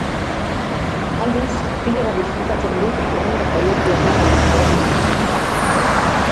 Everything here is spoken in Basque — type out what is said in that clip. Aldiz, pilo bat disfrutatzen dut hurrengo proiektua nola izango den imajinatzea.